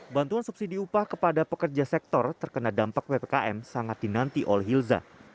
bantuan subsidi upah kepada pekerja sektor terkena dampak ppkm sangat dinanti oleh hilza